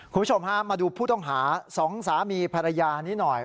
คุณผู้ชมฮะมาดูผู้ต้องหาสองสามีภรรยานี้หน่อย